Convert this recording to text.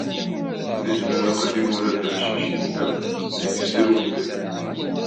Di zzman aqdim, ula d leḥcic yella zegzaw ugar.